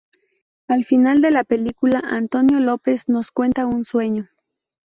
Al final de la película, Antonio López nos cuenta un sueño.